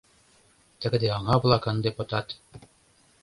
Тыгыде аҥа-влак ынде пытат